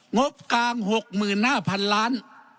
งบกลาง๖๕๐๐๐ล้าน